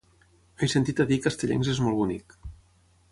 He sentit a dir que Estellencs és molt bonic.